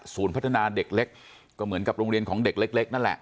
พัฒนาเด็กเล็กก็เหมือนกับโรงเรียนของเด็กเล็กนั่นแหละ